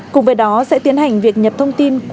cùng với đó sẽ tiến hành việc nhập thông tin